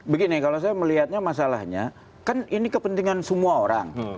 begini kalau saya melihatnya masalahnya kan ini kepentingan semua orang